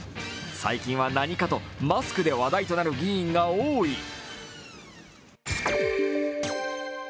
最近は何かとマスクで話題となる議員が多い。